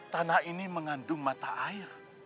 tanah ini mengandung mata air